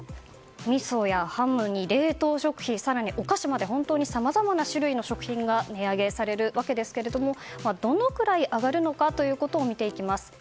みそやハムに冷凍食品更にお菓子まで本当にさまざまな種類の食品が値上げされるわけですがどのくらい上がるのかということを見ていきます。